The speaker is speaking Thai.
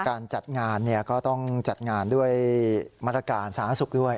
การจัดงานเนี่ยก็ต้องจัดงานด้วยมาตรการสหรัฐศักดิ์ศุกร์ด้วย